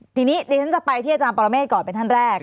ทีนี้ดิฉันจะไปที่อาจารย์ปรเมฆก่อนเป็นท่านแรก